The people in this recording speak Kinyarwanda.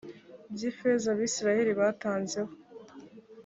by ifeza abisirayeli batanze ho